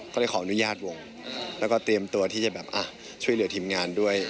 ก็เลยขออนุญาตวงแล้วก็เตรียมตัวที่จะแบบช่วยเหลือทีมงานด้วย